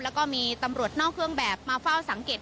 เราไม่ต้องพูดเราไม่ต้องพูด